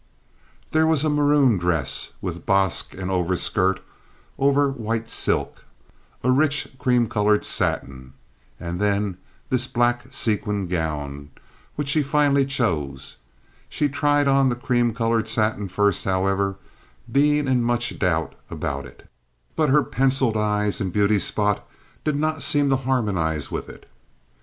There was a maroon dress, with basque and overskirt over white silk; a rich cream colored satin; and then this black sequined gown, which she finally chose. She tried on the cream colored satin first, however, being in much doubt about it; but her penciled eyes and beauty spot did not seem to harmonize with it.